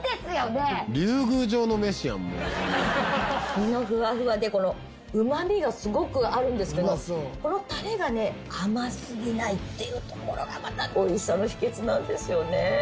身がフワフワでうまみがすごくあるんですけどこのタレがね甘すぎないっていうところがまた美味しさの秘けつなんですよね。